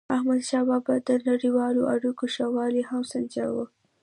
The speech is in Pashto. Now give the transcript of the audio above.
احمدشاه بابا به د نړیوالو اړیکو ښه والی هم سنجاوو.